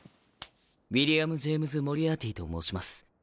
ウィリアム・ジェームズ・モリアーティと申します。